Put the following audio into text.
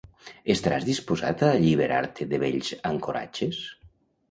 estaràs disposat a alliberar-te de vells ancoratges